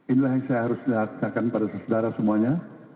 inilah yang saya harus menyatakan pada sesudara semuanya